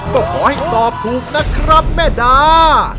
ก็ขอให้ตอบถูกนะครับแม่ดา